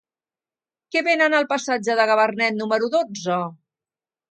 Què venen al passatge de Gabarnet número dotze?